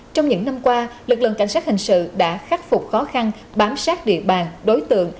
trong những năm qua lực lượng cảnh sát hình sự đã khắc phục khó khăn bám sát địa bàn đối tượng